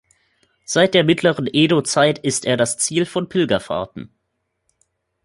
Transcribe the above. Seit der mittleren Edo-Zeit ist er das Ziel von Pilgerfahrten.